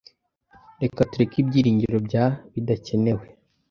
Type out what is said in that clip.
Reka tureke ibyiringiro bya bidakenewe.